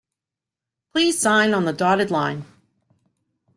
Please sign on the dotted line.